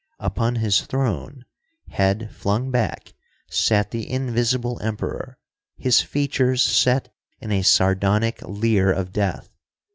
Upon his throne, head flung back, sat the Invisible Emperor, his features set in a sardonic leer of death.